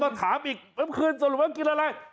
ก็ถามอีกเมื่อคืนสรุปว่ากินอะไร